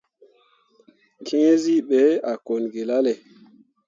Gǝǝzyii ɓe a kone ki lalle.